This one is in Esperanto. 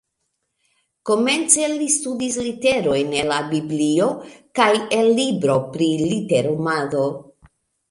Komence, li studis literojn el la biblio kaj el libro pri literumado